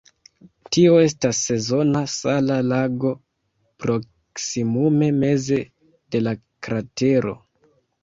Tio estas sezona sala lago proksimume meze de la kratero.